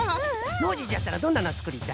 ノージーじゃったらどんなのつくりたい？